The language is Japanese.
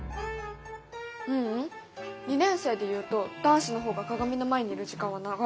ううん２年生で言うと男子の方が鏡の前にいる時間は長い。